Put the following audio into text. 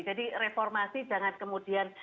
jadi reformasi jangan kemudian